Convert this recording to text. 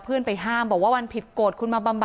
พระเจ้าอาวาสกันหน่อยนะครับ